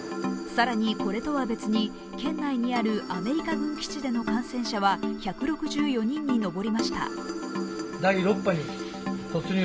更に、これとは別に県内にあるアメリカ軍基地での感染者は１６４人に上りました。